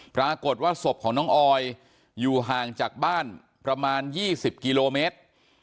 ปรากฏว่าศพของน้องออยอยู่ห่างจากบ้านประมาณ๒๐กิโลเมตร